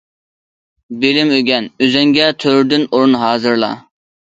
بىلىم ئۆگەن، ئۆزۈڭگە تۆرىدىن ئورۇن ھازىرلا.